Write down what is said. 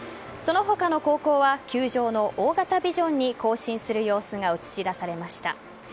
その他の高校は球場の大型ビジョンに行進する様子が映し出されました。